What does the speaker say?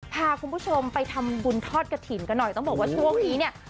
พาคุณผู้ชมไปทำบุญทอดกระถิ่นกันหน่อยต้องบอกว่าช่วงนี้เนี่ย